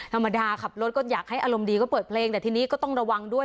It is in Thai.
ขับรถก็อยากให้อารมณ์ดีก็เปิดเพลงแต่ทีนี้ก็ต้องระวังด้วย